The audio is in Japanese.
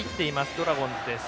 ドラゴンズです。